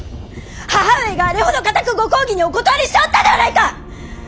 母上があれほど固くご公儀にお断りしておったではないか！